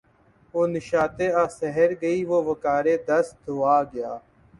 وہ نشاط آہ سحر گئی وہ وقار دست دعا گیا